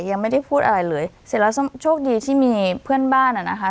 ยังไม่ได้พูดอะไรเลยเสร็จแล้วโชคดีที่มีเพื่อนบ้านอ่ะนะคะ